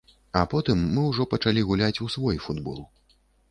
А потым мы ўжо пачалі гуляць у свой футбол.